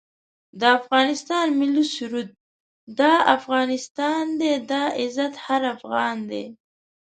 د افغانستان ملي سرود دا افغانستان دی دا عزت هر افغان دی